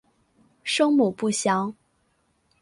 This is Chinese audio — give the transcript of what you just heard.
生母不详。